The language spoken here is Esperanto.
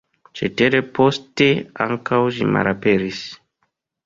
Cetere poste ankaŭ ĝi malaperis.